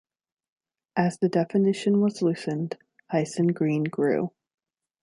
As the definition was loosened, Hyson Green grew.